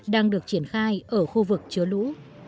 đang được triển khai ở khu vực chứa lũ